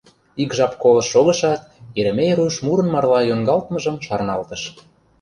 Ик жап колышт шогышат, Еремей руш мурын марла йоҥгалтмыжым шарналтыш.